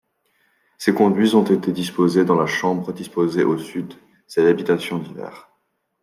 Ces conduits ont été disposés dans les chambres disposés au sud, c'est l'habitation d'hiver.